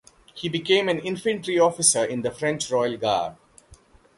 He became an infantry officer in the French royal guard.